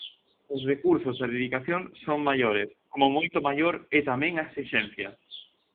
Os recursos e a dedicación son maiores, como moito maior é tamén a esixencia.